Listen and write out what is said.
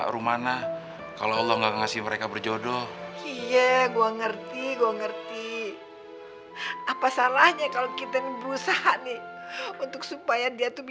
rumana kalau allah nggak ngasih mereka berjodoh iya gua ngerti gua ngerti apa salahnya kalau kita